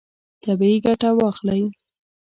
طبیعي ګټه واخلئ.